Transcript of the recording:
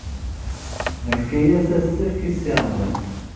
Nefka-as asefk i Si Remḍan.